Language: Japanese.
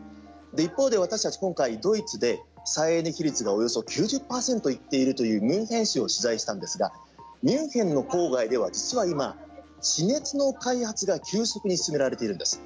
一方で私たち今回ドイツで再エネ比率がおよそ９０％行っているというミュンヘン市を取材したんですがミュンヘンの郊外では実は今、地熱の開発が急速に進められているんです。